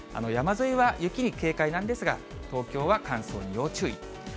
山沿いは雪に警戒なんですが、東京は乾燥に要注意。